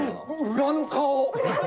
裏の顔。